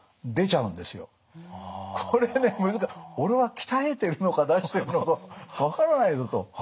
これね俺は鍛えてるのか出してるのか分からないぞと。